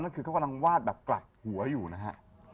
คือเขากำลังวาดแบบกลักหัวอยู่นะฮะ